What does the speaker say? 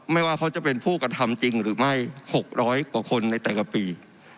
ว่าเขาจะเป็นผู้กระทำจริงหรือไม่๖๐๐กว่าคนในแต่ละปี